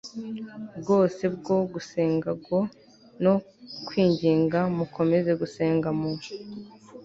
bwose bwo gusenga g no kwinginga mukomeza gusenga mu